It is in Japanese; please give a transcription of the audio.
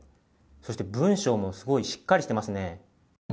そして文章もすごいしっかりしてますね。